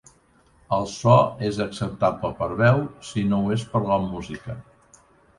El so és acceptable per veu, si no ho és per la música.